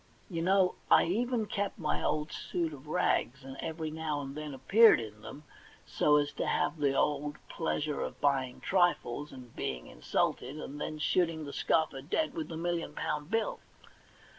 You know, I even kept my old suit of rags, and every now and then appeared in them, so as to have the old pleasure of bu3'ing trifles, and being insulted, and then shooting the scoffer dead with the million pound bill.